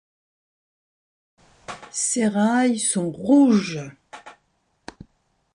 Ses rails sont rouges.